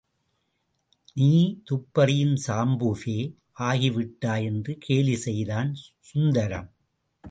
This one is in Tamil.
நீ, துப்பறியும் சாம்புவே ஆகிவிட்டாய் என்று கேலி செய்தான் சுந்தரம்.